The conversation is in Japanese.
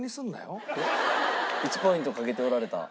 １ポイントかけておられた。